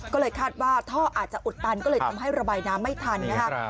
ก็เลยคาดว่าท่ออาจจะอุดตันก็เลยทำให้ระบายน้ำไม่ทันนะครับ